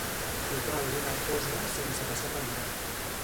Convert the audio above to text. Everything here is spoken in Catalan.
Xopar alguna cosa sense passar pel mar.